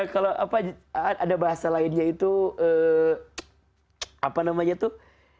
kalau apa ada bahasa lainnya itu apa namanya tuh